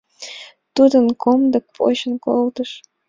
Тудым комдык почын колтыш.